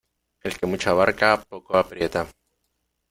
El que mucho abarca poco aprieta.